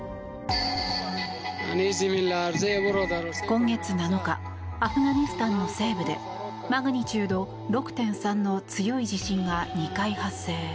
今月７日アフガニスタンの西部でマグニチュード６．３の強い地震が２回発生。